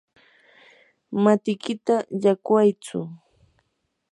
matikita llaqwaytsu.